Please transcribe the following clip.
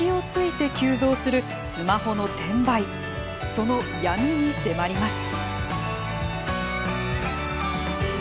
その闇に迫ります。